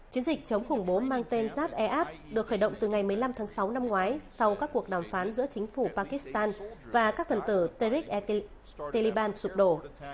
chiến dịch chống khủng bố mang tên zap eap được khởi động từ ngày một mươi năm tháng sáu năm ngoái sau các cuộc đàm phán giữa chính phủ pakistan và các phần tử tariq e taliban sụp đổ